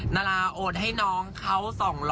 นาราโอนให้น้องเขา๒๐๐